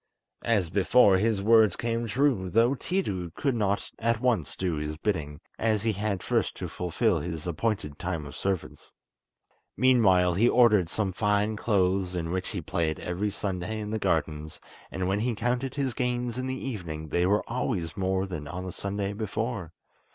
As before, his words came true, though Tiidu could not at once do his bidding, as he had first to fulfil his appointed time of service. Meanwhile he ordered some fine clothes, in which he played every Sunday in the gardens, and when he counted his gains in the evening they were always more than on the Sunday before.